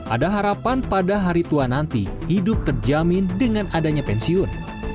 ada harapan pada hari tua nanti hidup terjamin dengan adanya pensiun